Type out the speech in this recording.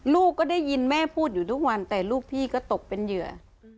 ลูกก็ได้ยินแม่พูดอยู่ทุกวันแต่ลูกพี่ก็ตกเป็นเหยื่อ